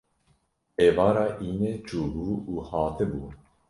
Êvara înê çûbû û hatibû.